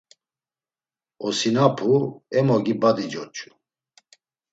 Osinapu emogi badi coç̌u.